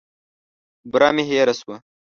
بوره مي هېره سوه .